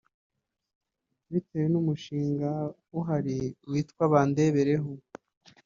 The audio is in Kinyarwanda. bitewe n’umushinga uhari witwa “Bandebereho”